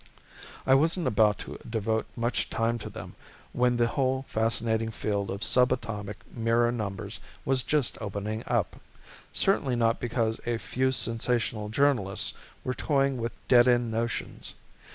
I wasn't about to devote much time to them when the whole fascinating field of subatomic mirror numbers was just opening up; certainly not because a few sensational journalists were toying with dead end notions.